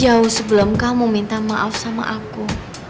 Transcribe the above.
jauh sebelum kamu minta maaf sama aku